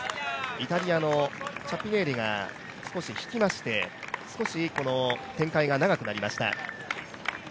イタリアのチャッピネーリが少し引きまして、展開が長くなりました。